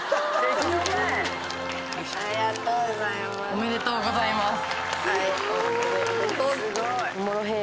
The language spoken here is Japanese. おめでとうございます。